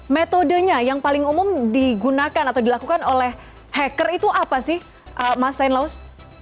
metodenya yang paling umum digunakan atau dilakukan oleh hacker itu apa sih mas tain laus